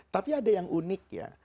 tapi ada yang unik ya